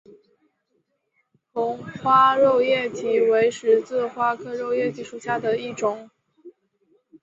红花肉叶荠为十字花科肉叶荠属下的一个种。